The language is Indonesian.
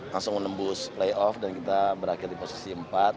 langsung menembus playoff dan kita berakhir di posisi empat